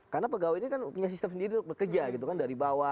karena pegawai ini kan punya sistem sendiri untuk bekerja